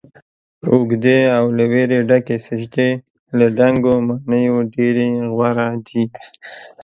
اوږدې او له ويرې ډکې سجدې له دنګو ماڼیو ډيرې غوره دي